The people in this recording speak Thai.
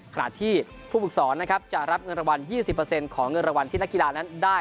ขณะที่ผู้ปรึกษรนะครับจะรับเงินรางวัลยี่สิบเปอร์เซ็นต์ของเงินรางวัลที่นักกีฬานั้นได้